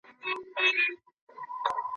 مه راځه نسیمه غوړېدو ته غونچې نه لرو